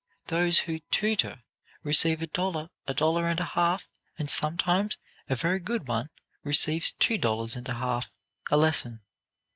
Those who 'tutor' receive a dollar, a dollar and a half, and sometimes a very good one receives two dollars and a half, a lesson.